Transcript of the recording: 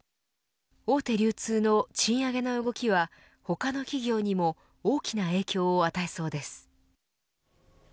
大手流通の賃上げの動きは他の企業にも大きな影響を与えそうです。